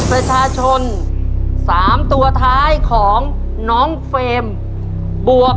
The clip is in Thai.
ตัวเลือดที่๓ม้าลายกับนกแก้วมาคอ